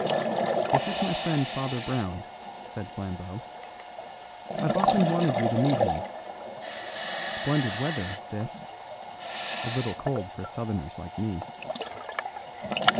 "This is my friend Father Brown," said Flambeau. "I've often wanted you to meet him. Splendid weather, this; a little cold for Southerners like me."